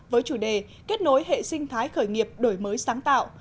với chủ đề kết nối hệ sinh thái khởi nghiệp đổi mới sáng tạo